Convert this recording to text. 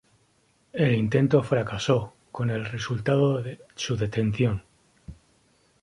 El intento fracasó, con el resultado de su detención.